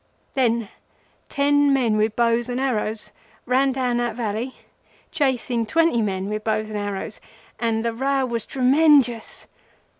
"Then ten men with bows and arrows ran down that valley, chasing twenty men with bows and arrows, and the row was tremenjus.